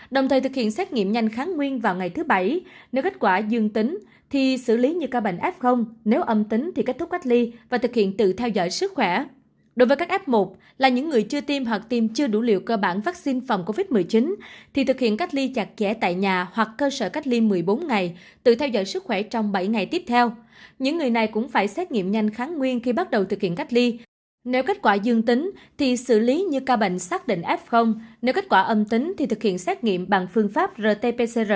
đồng thời thực hiện xét nghiệm nhanh kháng nguyên vào ngày thứ bảy nếu kết quả dương tính thì xử lý như ca bệnh f nếu âm tính thì kết thúc cách ly và thực hiện tự theo dõi sức khỏe